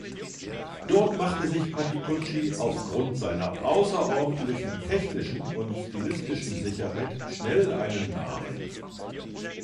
Dort machte sich Patitucci aufgrund seiner außerordentlichen technischen und stilistischen Sicherheit schnell einen Namen.